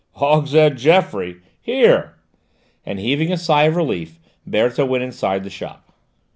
"Hogshead Geoffroy? Here!" and heaving a sigh of relief Berthe went inside the shop.